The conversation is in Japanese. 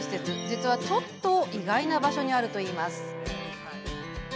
実は、ちょっと意外な場所にあるといいます。